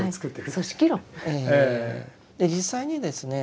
実際にですね